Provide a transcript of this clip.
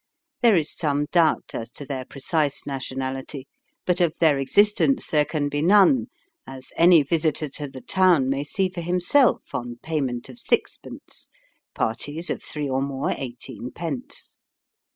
There is some doubt as to their precise nationality, but of their existence there can be none, as any visitor to the town may see for himself on payment of sixpence (parties of three or more eighteenpence).